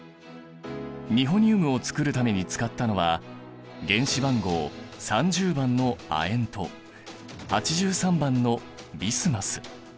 ニホニウムを作るために使ったのは原子番号３０番の亜鉛と８３番のビスマス。